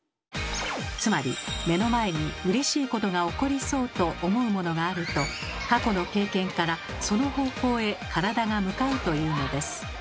つまり目の前にうれしいことが起こりそうと思うものがあると過去の経験からその方向へ体が向かうというのです。